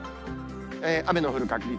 雨の降る確率。